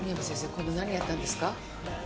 今度何やったんですか？